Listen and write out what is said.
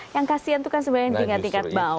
yang kasian itu kan sebenarnya tingkat tingkat bawah